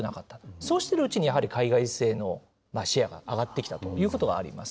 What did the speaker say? そうしているうちに、やはり海外製のシェアが上がってきたということがあります。